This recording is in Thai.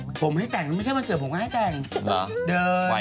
อยู่บ้านให้แฟนแต่งเลยอยู่ออกอยู่บ้านให้แฟนแต่งเลย